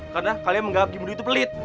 karena kalian menggapai kibendu itu pelit